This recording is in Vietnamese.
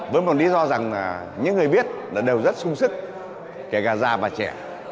với một lý do rằng là những người viết đều rất sung sức kể cả già và trẻ